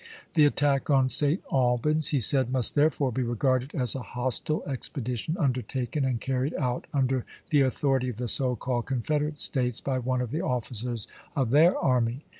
"The attack on St. Albans," he said, "must therefore be regarded as a hostile expedition, undertaken and carried out under the authority of the so called Con federate States by one of the officers of their army."